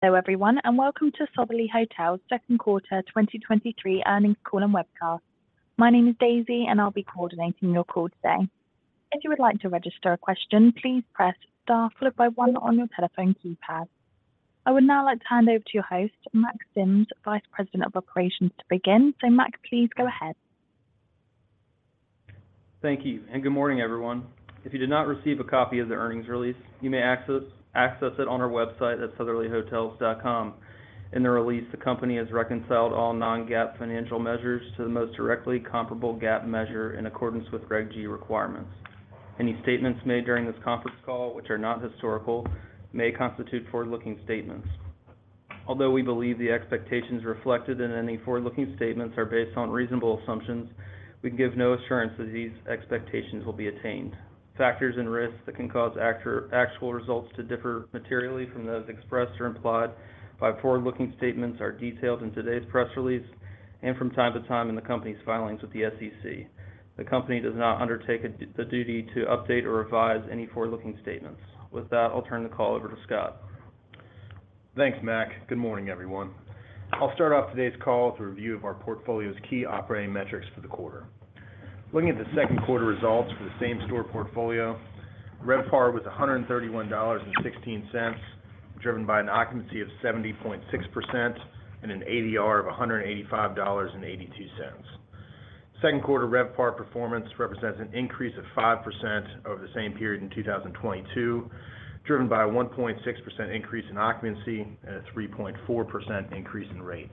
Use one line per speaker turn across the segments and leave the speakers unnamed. Hello, everyone, and welcome to Sotherly Hotels' 2nd quarter 2023 Earnings Call and Webcast. My name is Daisy, and I'll be coordinating your call today. If you would like to register a question, please press Star followed by 1 on your telephone keypad. I would now like to hand over to your host, Mack Sims, Vice President of Operations, to begin. Mack, please go ahead.
Thank you, and good morning, everyone. If you did not receive a copy of the earnings release, you may access it on our website at sotherlyhotels.com. In the release, the company has reconciled all non-GAAP financial measures to the most directly comparable GAAP measure in accordance with Regulation G requirements. Any statements made during this conference call, which are not historical, may constitute forward-looking statements. Although we believe the expectations reflected in any forward-looking statements are based on reasonable assumptions, we give no assurance that these expectations will be attained. Factors and risks that can cause actual results to differ materially from those expressed or implied by forward-looking statements are detailed in today's press release and from time to time in the company's filings with the SEC. The company does not undertake the duty to update or revise any forward-looking statements. With that, I'll turn the call over to Scott.
Thanks, Mac. Good morning, everyone. I'll start off today's call with a review of our portfolio's key operating metrics for the quarter. Looking at the second quarter results for the same-store portfolio, RevPAR was $131.16, driven by an occupancy of 70.6% and an ADR of $185.82. Second quarter RevPAR performance represents an increase of 5% over the same period in 2022, driven by a 1.6% increase in occupancy and a 3.4% increase in rate.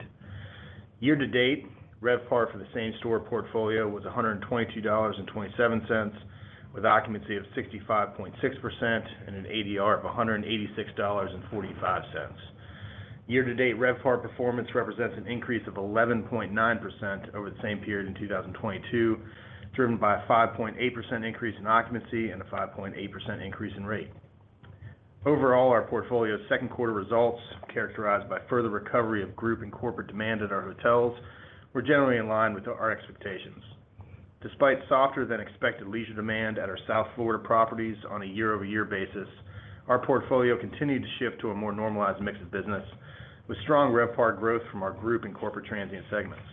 Year-to-date, RevPAR for the same-store portfolio was $122.27, with occupancy of 65.6% and an ADR of $186.45. Year to date, RevPAR performance represents an increase of 11.9% over the same period in 2022, driven by a 5.8% increase in occupancy and a 5.8% increase in rate. Overall, our portfolio's second quarter results, characterized by further recovery of group and corporate demand at our hotels, were generally in line with our expectations. Despite softer than expected leisure demand at our South Florida properties on a year-over-year basis, our portfolio continued to shift to a more normalized mix of business, with strong RevPAR growth from our group and corporate transient segments.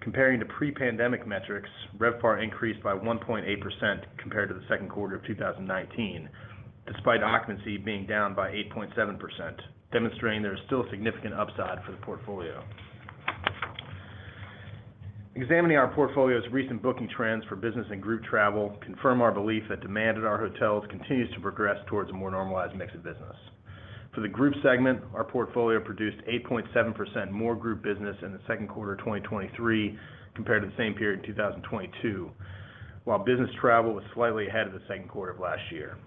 Comparing to pre-pandemic metrics, RevPAR increased by 1.8% compared to the second quarter of 2019, despite occupancy being down by 8.7%, demonstrating there is still a significant upside for the portfolio. Examining our portfolio's recent booking trends for business and group travel confirm our belief that demand at our hotels continues to progress towards a more normalized mix of business. For the group segment, our portfolio produced 8.7% more group business in the second quarter of 2023 compared to the same period in 2022, while business travel was slightly ahead of the second quarter of last year.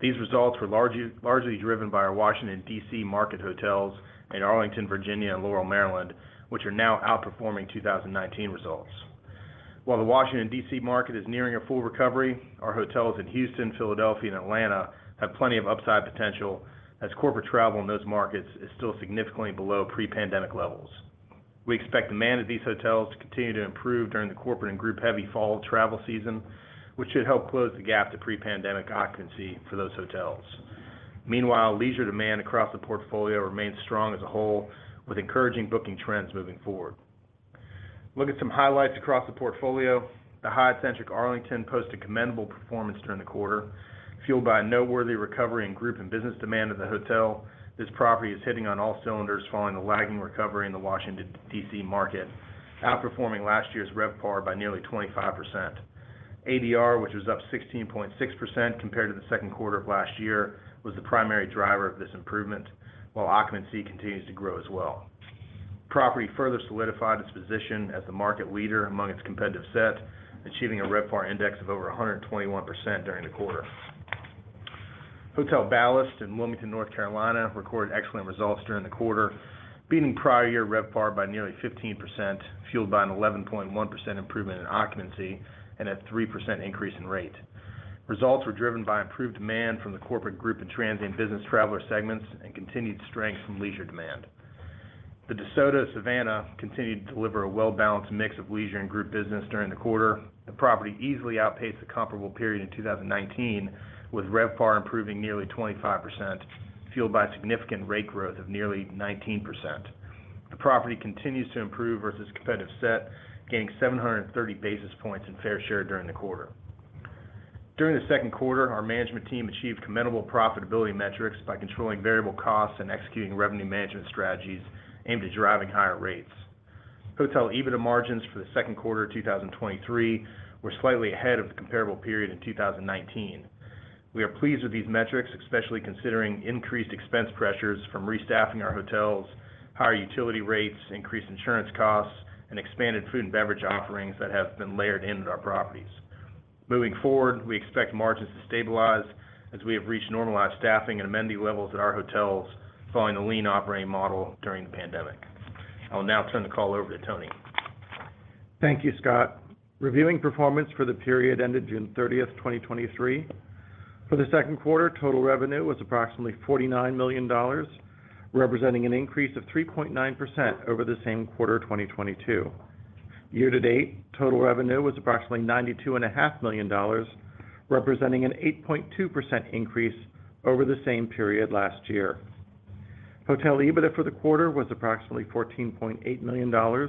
These results were largely, largely driven by our Washington, DC, market hotels in Arlington, Virginia, and Laurel, Maryland, which are now outperforming 2019 results. While the Washington, DC, market is nearing a full recovery, our hotels in Houston, Philadelphia, and Atlanta have plenty of upside potential, as corporate travel in those markets is still significantly below pre-pandemic levels. We expect demand at these hotels to continue to improve during the corporate and group-heavy fall travel season, which should help close the gap to pre-pandemic occupancy for those hotels. Meanwhile, leisure demand across the portfolio remains strong as a whole, with encouraging booking trends moving forward. Looking at some highlights across the portfolio, the Hyatt Centric Arlington posted a commendable performance during the quarter, fueled by a noteworthy recovery in group and business demand at the hotel. This property is hitting on all cylinders following a lagging recovery in the Washington, D.C., market, outperforming last year's RevPAR by nearly 25%. ADR, which was up 16.6% compared to the second quarter of last year, was the primary driver of this improvement, while occupancy continues to grow as well. The property further solidified its position as the market leader among its competitive set, achieving a RevPAR index of over 121% during the quarter. Hotel Ballast in Wilmington, North Carolina, recorded excellent results during the quarter, beating prior year RevPAR by nearly 15%, fueled by an 11.1% improvement in occupancy and a 3% increase in rate. Results were driven by improved demand from the corporate group and transient business traveler segments and continued strength from leisure demand. The DeSoto Savannah continued to deliver a well-balanced mix of leisure and group business during the quarter. The property easily outpaced the comparable period in 2019, with RevPAR improving nearly 25%, fueled by significant rate growth of nearly 19%. The property continues to improve versus competitive set, gaining 730 basis points in fair share during the quarter. During the second quarter, our management team achieved commendable profitability metrics by controlling variable costs and executing revenue management strategies aimed at driving higher rates. Hotel EBITDA margins for the second quarter of 2023 were slightly ahead of the comparable period in 2019. We are pleased with these metrics, especially considering increased expense pressures from restaffing our hotels, higher utility rates, increased insurance costs, and expanded food and beverage offerings that have been layered into our properties. Moving forward, we expect margins to stabilize as we have reached normalized staffing and amenity levels at our hotels, following the lean operating model during the pandemic. I will now turn the call over to Tony.
Thank you, Scott. Reviewing performance for the period ended June 30, 2023. For the 2Q, total revenue was approximately $49 million, representing an increase of 3.9% over the same quarter in 2022. Year-to-date, total revenue was approximately $92.5 million, representing an 8.2% increase over the same period last year. Hotel EBITDA for the quarter was approximately $14.8 million,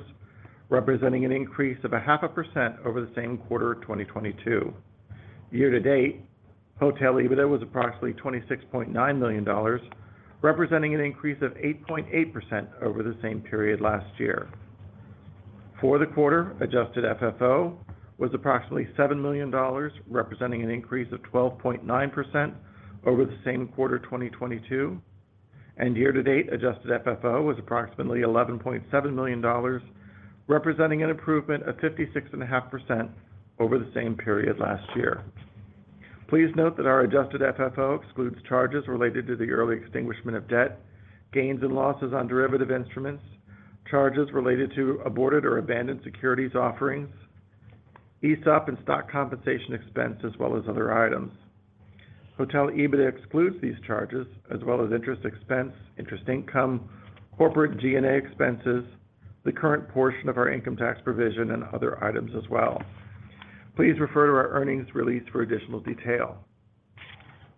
representing an increase of 0.5% over the same quarter of 2022. Year-to-date, Hotel EBITDA was approximately $26.9 million, representing an increase of 8.8% over the same period last year. For the quarter, Adjusted FFO was approximately $7 million, representing an increase of 12.9% over the same quarter, 2022, and year-to-date Adjusted FFO was approximately $11.7 million, representing an improvement of 56.5% over the same period last year. Please note that our Adjusted FFO excludes charges related to the early extinguishment of debt, gains and losses on derivative instruments, charges related to aborted or abandoned securities offerings, ESOP and stock compensation expense, as well as other items. Hotel EBITDA excludes these charges, as well as interest expense, interest income, corporate G&A expenses, the current portion of our income tax provision, and other items as well. Please refer to our earnings release for additional detail.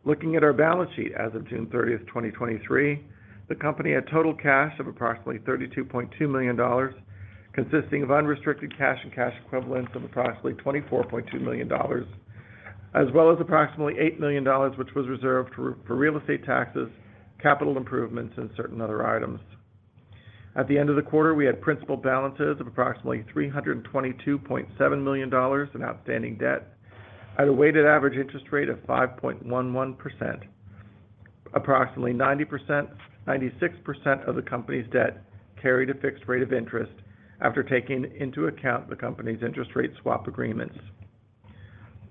Looking at our balance sheet as of June 30, 2023, the company had total cash of approximately $32.2 million, consisting of unrestricted cash and cash equivalents of approximately $24.2 million, as well as approximately $8 million, which was reserved for real estate taxes, capital improvements, and certain other items. At the end of the quarter, we had principal balances of approximately $322.7 million in outstanding debt at a weighted average interest rate of 5.11%. Approximately 96% of the company's debt carried a fixed rate of interest after taking into account the company's interest rate swap agreements.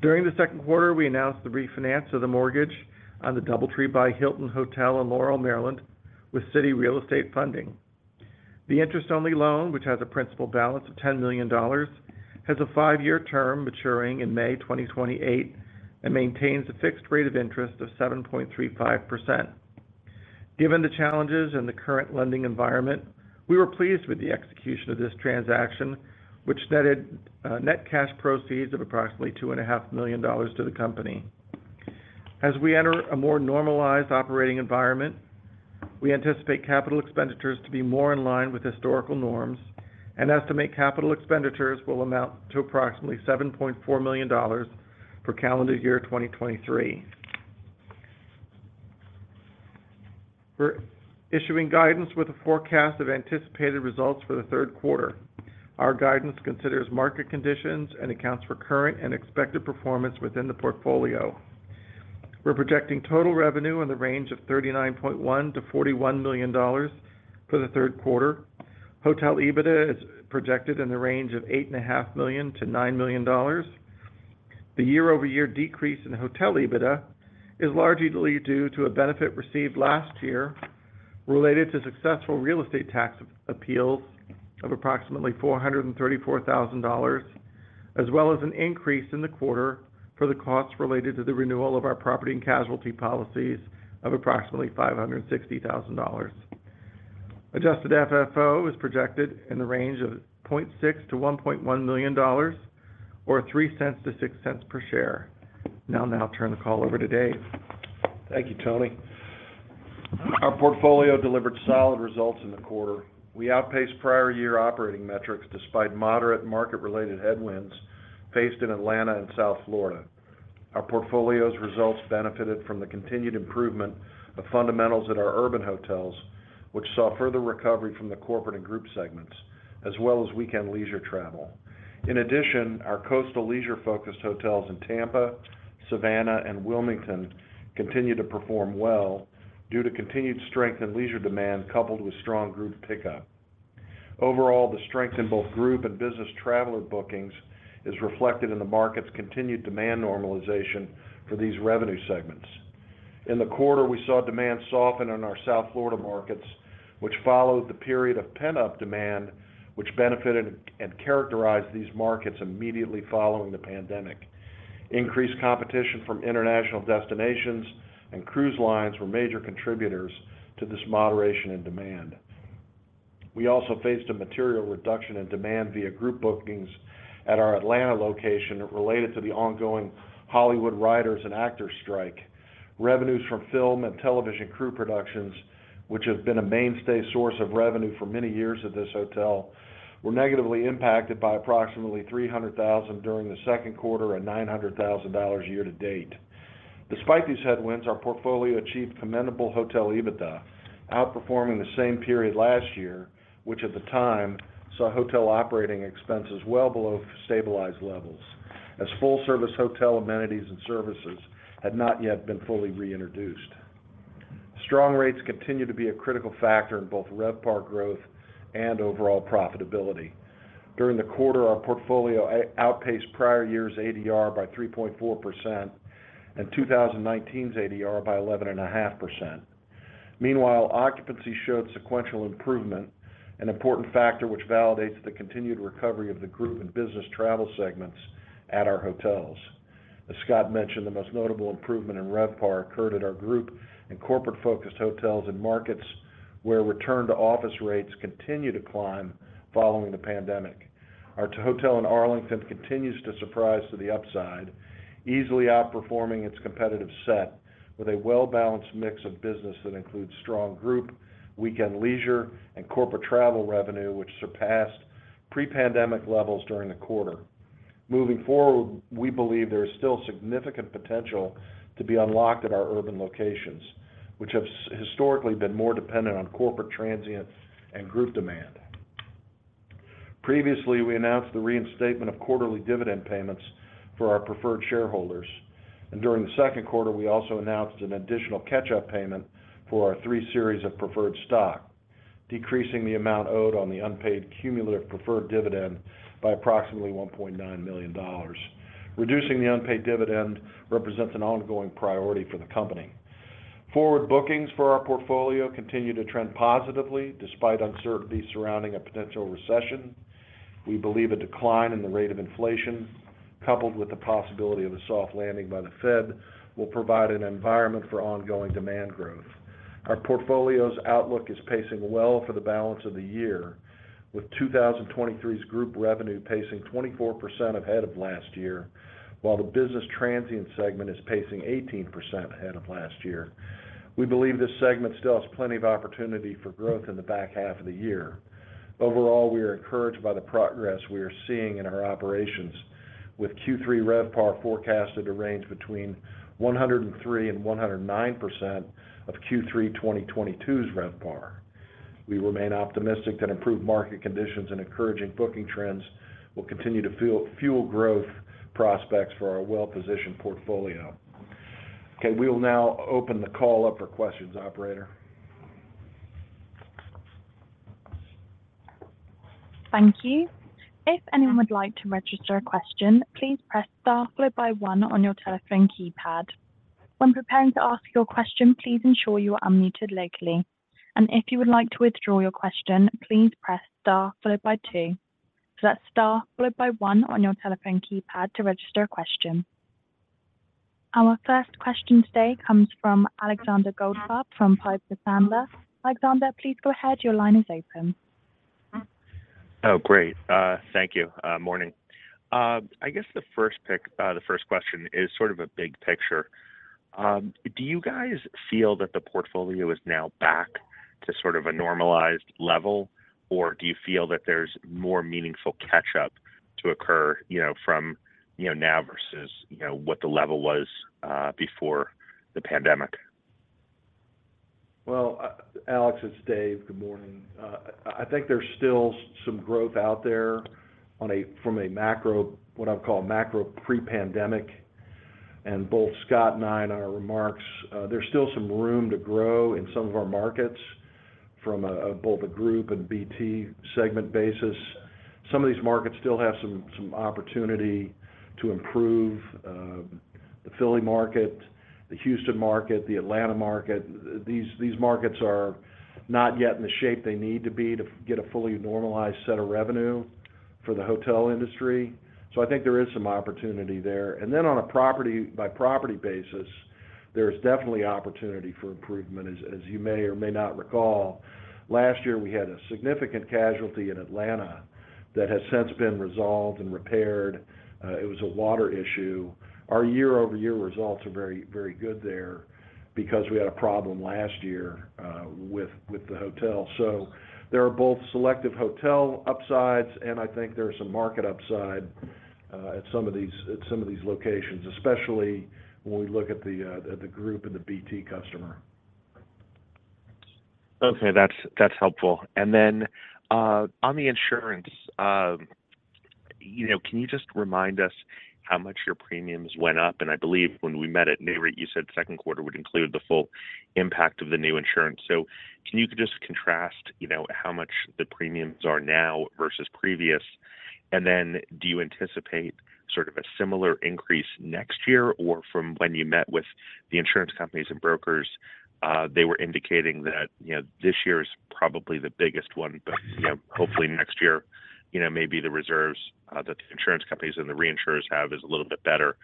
During the second quarter, we announced the refinance of the mortgage on the DoubleTree by Hilton Hotel Laurel, Maryland, with Citi Real Estate Funding. The interest-only loan, which has a principal balance of $10 million, has a five-year term maturing in May 2028, and maintains a fixed rate of interest of 7.35%. Given the challenges in the current lending environment, we were pleased with the execution of this transaction, which netted net cash proceeds of approximately $2.5 million to the company. As we enter a more normalized operating environment, we anticipate capital expenditures to be more in line with historical norms and estimate capital expenditures will amount to approximately $7.4 million for calendar year 2023. We're issuing guidance with a forecast of anticipated results for the third quarter. Our guidance considers market conditions and accounts for current and expected performance within the portfolio. We're projecting total revenue in the range of $39.1 million-$41 million for the third quarter. Hotel EBITDA is projected in the range of $8.5 million-$9 million. The year-over-year decrease in Hotel EBITDA is largely due to a benefit received last year related to successful real estate tax appeals of approximately $434,000, as well as an increase in the quarter for the costs related to the renewal of our property and casualty policies of approximately $560,000. Adjusted FFO is projected in the range of $0.6 million-$1.1 million or $0.03-$0.06 per share. I'll now turn the call over to Dave.
Thank you, Tony. Our portfolio delivered solid results in the quarter. We outpaced prior year operating metrics despite moderate market-related headwinds faced in Atlanta and South Florida. Our portfolio's results benefited from the continued improvement of fundamentals at our urban hotels, which saw further recovery from the corporate and group segments, as well as weekend leisure travel. In addition, our coastal leisure-focused hotels in Tampa, Savannah, and Wilmington continue to perform well due to continued strength in leisure demand, coupled with strong group pickup. Overall, the strength in both group and business traveler bookings is reflected in the market's continued demand normalization for these revenue segments. In the quarter, we saw demand soften in our South Florida markets, which followed the period of pent-up demand, which benefited and characterized these markets immediately following the pandemic. Increased competition from international destinations and cruise lines were major contributors to this moderation in demand. We also faced a material reduction in demand via group bookings at our Atlanta location related to the ongoing Hollywood writers and actors strike. Revenues from film and television crew productions, which have been a mainstay source of revenue for many years at this hotel, were negatively impacted by approximately $300,000 during the second quarter and $900,000 year-to-date. Despite these headwinds, our portfolio achieved commendable Hotel EBITDA, outperforming the same period last year, which at the time, saw hotel operating expenses well below stabilized levels, as full-service hotel amenities and services had not yet been fully reintroduced. Strong rates continue to be a critical factor in both RevPAR growth and overall profitability. During the quarter, our portfolio outpaced prior year's ADR by 3.4% and 2019's ADR by 11.5%. Meanwhile, occupancy showed sequential improvement, an important factor which validates the continued recovery of the group and business travel segments at our hotels. As Scott mentioned, the most notable improvement in RevPAR occurred at our group and corporate-focused hotels in markets where return-to-office rates continue to climb following the pandemic. Our hotel in Arlington continues to surprise to the upside, easily outperforming its competitive set with a well-balanced mix of business that includes strong group, weekend leisure, and corporate travel revenue, which surpassed pre-pandemic levels during the quarter. Moving forward, we believe there is still significant potential to be unlocked at our urban locations, which have historically been more dependent on corporate transient and group demand. Previously, we announced the reinstatement of quarterly dividend payments for our preferred shareholders, and during the second quarter, we also announced an additional catch-up payment for our three series of preferred stock, decreasing the amount owed on the unpaid cumulative preferred dividend by approximately $1.9 million. Reducing the unpaid dividend represents an ongoing priority for the company. Forward bookings for our portfolio continue to trend positively despite uncertainty surrounding a potential recession. We believe a decline in the rate of inflation, coupled with the possibility of a soft landing by the Fed, will provide an environment for ongoing demand growth. Our portfolio's outlook is pacing well for the balance of the year, with 2023's group revenue pacing 24% ahead of last year, while the business transient segment is pacing 18% ahead of last year. We believe this segment still has plenty of opportunity for growth in the back half of the year. Overall, we are encouraged by the progress we are seeing in our operations, with Q3 RevPAR forecasted to range between 103 and 109% of Q3 2022's RevPAR. We remain optimistic that improved market conditions and encouraging booking trends will continue to fuel growth prospects for our well-positioned portfolio. Okay, we will now open the call up for questions, operator.
Thank you. If anyone would like to register a question, please press Star followed by one on your telephone keypad. When preparing to ask your question, please ensure you are unmuted locally. If you would like to withdraw your question, please press Star followed by two. That's Star followed by one on your telephone keypad to register a question. Our first question today comes from Alexander Goldfarb from Piper Sandler. Alexander, please go ahead. Your line is open.
Oh, great. Thank you. Morning. I guess the first question is sort of a big picture. Do you guys feel that the portfolio is now back to sort of a normalized level, or do you feel that there's more meaningful catch-up to occur, you know, from, you know, now versus, you know, what the level was before the pandemic?
Well, Alex, it's Dave. Good morning. I, I think there's still some growth out there from a macro... What I've call macro pre-pandemic, and both Scott and I, in our remarks, there's still some room to grow in some of our markets from both a group and BT segment basis. Some of these markets still have some opportunity to improve. The Philly market, the Houston market, the Atlanta market, these markets are not yet in the shape they need to be to get a fully normalized set of revenue for the hotel industry. I think there is some opportunity there. Then on a property-by-property basis, there is definitely opportunity for improvement. As you may or may not recall, last year we had a significant casualty in Atlanta that has since been resolved and repaired. It was a water issue. Our year-over-year results are very, very good there because we had a problem last year, with, with the hotel. There are both selective hotel upsides, and I think there are some market upside, at some of these, at some of these locations, especially when we look at the, at the group and the BT customer.
Okay, that's, that's helpful. Then, on the insurance, you know, can you just remind us how much your premiums went up? I believe when we met at NAREIT, you said second quarter would include the full impact of the new insurance. Can you just contrast, you know, how much the premiums are now versus previous? Then, do you anticipate sort of a similar increase next year, or from when you met with the insurance companies and brokers, they were indicating that, you know, this year is probably the biggest one, but, you know, hopefully, next year, you know, maybe the reserves that the insurance companies and the reinsurers have is a little bit better.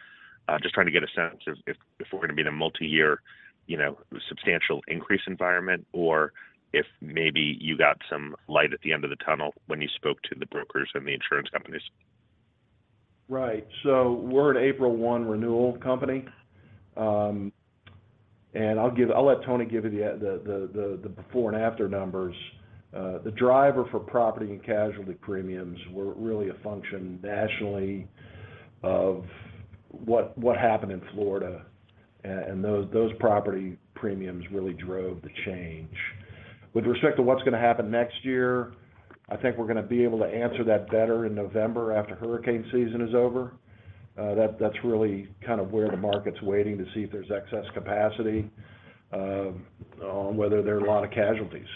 Just trying to get a sense of if, if we're going to be in a multiyear, you know, substantial increase environment, or if maybe you got some light at the end of the tunnel when you spoke to the brokers and the insurance companies.
Right. We're an April 1 renewal company. I'll give-- I'll let Tony give you the before and after numbers. The driver for property and casualty premiums was really a function nationally of what, what happened in Florida, and those, those property premiums really drove the change. With respect to what's going to happen next year, I think we're going to be able to answer that better in November after hurricane season is over. That- that's really kind of where the market's waiting to see if there's excess capacity on whether there are a lot of casualties.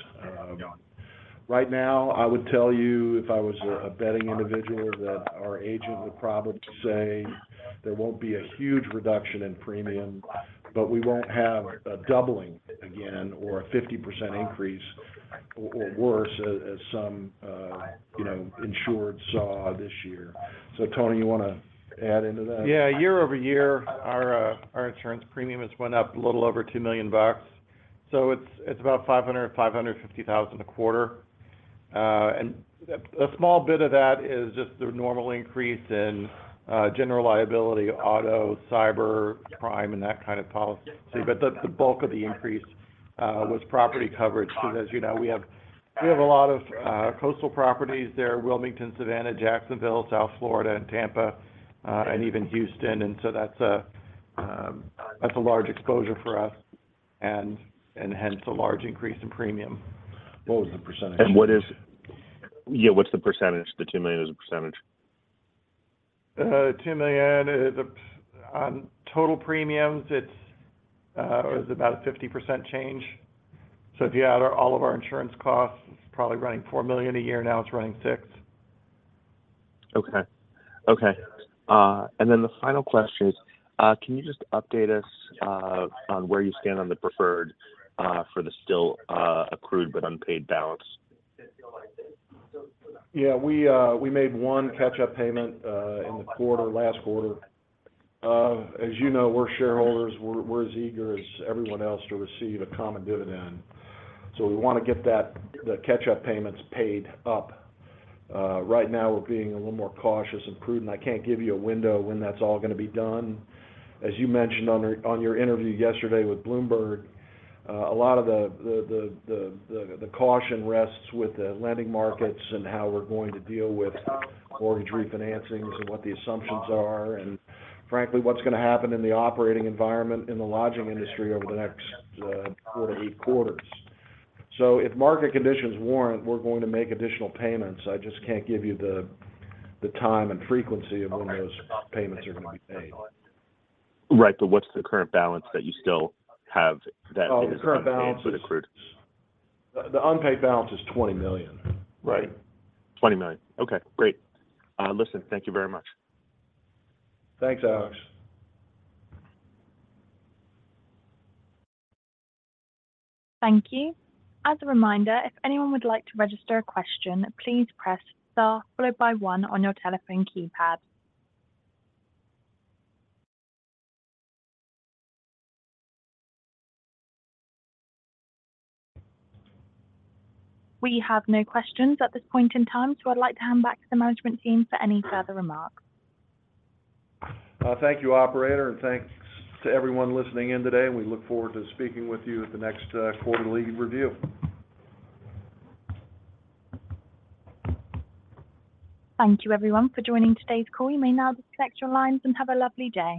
Right now, I would tell you, if I was a betting individual, that our agent would probably say there won't be a huge reduction in premium, but we won't have a doubling again, or a 50% increase, or, or worse as some, you know, insured saw this year. Tony, you want to add into that?
Yeah. Year-over-year, our, our insurance premiums went up a little over $2 million. It's, it's about $500,000-$550,000 a quarter. And a, a small bit of that is just the normal increase in, general liability, auto, cyber, crime, and that kind of policy. The, the bulk of the increase, was property coverage. Because as you know, we have, we have a lot of, coastal properties there, Wilmington, Savannah, Jacksonville, South Florida, and Tampa, and even Houston. That's a, that's a large exposure for us and, and hence a large increase in premium.
What was the percentage? What Yeah, what's the percentage? The $2 million as a percentage.
$2 million is on total premiums, it's about a 50% change. If you add our-- all of our insurance costs, it's probably running $4 million a year, now it's running $6 million.
Okay. Okay. The final question is, can you just update us on where you stand on the preferred for the still accrued but unpaid balance?
Yeah, we, we made one catch-up payment, in the quarter, last quarter. As you know, we're shareholders, we're, we're as eager as everyone else to receive a common dividend. We want to get that, the catch-up payments paid up. Right now, we're being a little more cautious and prudent. I can't give you a window when that's all gonna be done. As you mentioned on your, on your interview yesterday with Bloomberg, a lot of the, the, the, the, the, the caution rests with the lending markets and how we're going to deal with mortgage refinancings and what the assumptions are, and frankly, what's gonna happen in the operating environment in the lodging industry over the next 4-8 quarters. If market conditions warrant, we're going to make additional payments. I just can't give you the, the time and frequency of when those payments are gonna be paid.
Right. what's the current balance that you still have that.
Oh, the current balance is-
-accrued?
The unpaid balance is $20 million, right?
$20 million. Okay, great. Listen, thank you very much.
Thanks, Alex.
Thank you. As a reminder, if anyone would like to register a question, please press star followed by one on your telephone keypad. We have no questions at this point in time, so I'd like to hand back to the management team for any further remarks.
Thank you, operator. Thanks to everyone listening in today. We look forward to speaking with you at the next quarterly review.
Thank you, everyone, for joining today's call. You may now disconnect your lines and have a lovely day.